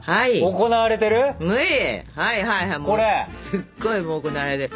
すっごいもう行われてる。